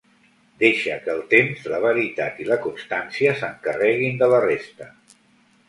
Deixa que el temps, la veritat i la constància s'encarreguin de la resta.